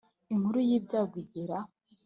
Inkuru y ibyabo igera